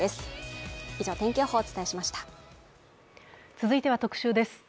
続いては特集です。